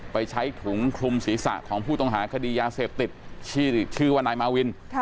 ไปใช้ถุงคลุมศีรษะของผู้ต้องหาคดียาเสพติดชื่อว่านายมาวิน